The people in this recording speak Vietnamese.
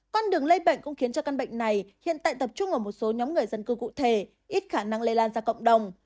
con đường lây bệnh cũng khiến cho căn bệnh này hiện tại tập trung ở một số nhóm người dân cư cụ thể ít khả năng lây lan ra cộng đồng